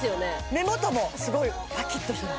目元もすごいパキッとしてない？